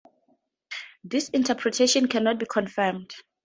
This interpretation cannot be confirmed.